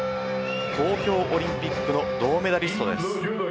東京オリンピックの銅メダリストです。